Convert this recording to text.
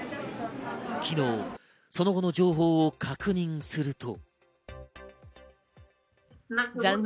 昨日、その後の情報を確認すると。